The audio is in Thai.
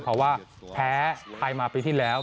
เพราะว่าแพ้ไทยมาปีที่แล้ว